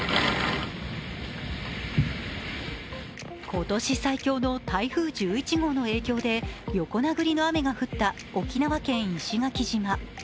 今年最強の台風１１号の影響で横殴りの雨が降った沖縄県石垣島。